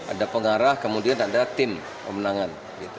ada pengarah kemudian ada tim pemenangan